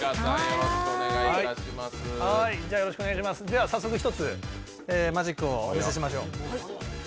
では早速１つマジックをお見せしましょう。